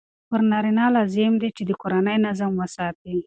پر نارینه لازم دی چې د کورني نظم وساتي.